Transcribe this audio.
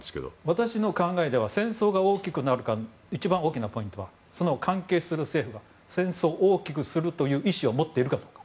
私の考えでは戦争が大きくなるかの一番大きなポイントはその関係する政府が戦争を大きくするという意思を持っているかどうか。